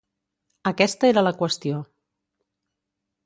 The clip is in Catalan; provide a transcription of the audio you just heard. Aquesta era la qüestió.